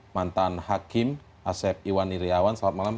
mantan hakim asep iwan iryawan selamat malam